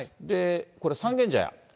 これ、三軒茶屋。